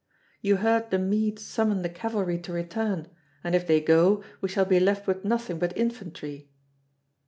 You heard the Mede summon the cavalry to return, and if they go, we shall be left with nothing but infantry.